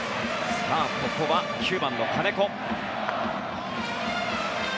ここは９番の金子。